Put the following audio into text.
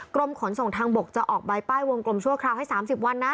กรมขนส่งทางบกจะออกใบป้ายวงกลมชั่วคราวให้๓๐วันนะ